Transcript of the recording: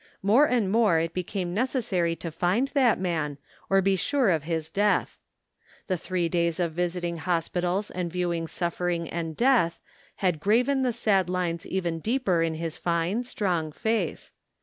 More and more it became necessary to find that man, or be sure of his death. The three days of visiting hospitals and viewing suffering and death had graven the sad lines even deeper in his fine, strong face.